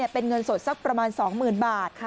เป็นเงินสดสักประมาณ๒๐๐๐บาท